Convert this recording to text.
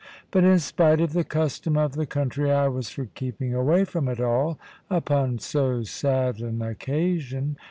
But in spite of the custom of the country, I was for keeping away from it all, upon so sad an occasion.